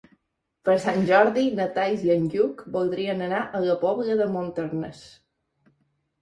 Per Sant Jordi na Thaís i en Lluc voldrien anar a la Pobla de Montornès.